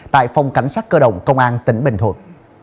tại phòng cảnh sát cơ động công an tỉnh bình thuận